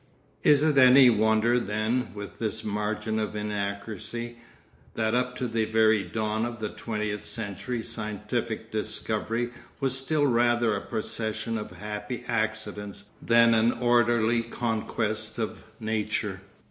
Is it any wonder then with this margin of inaccuracy, that up to the very dawn of the twentieth century scientific discovery was still rather a procession of happy accidents than an orderly conquest of nature?